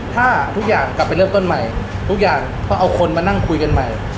ถ้าทุกอย่างกลับไปเริ่มต้นใหม่ทุกอย่างต้องเอาคนมานั่งคุยกันใหม่